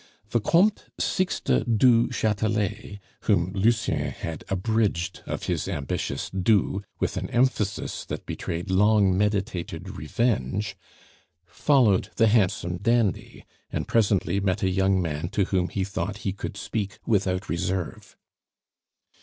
The Comte Sixte du Chatelet whom Lucien had abridged of his ambitious du with an emphasis that betrayed long meditated revenge followed the handsome dandy, and presently met a young man to whom he thought he could speak without reserve.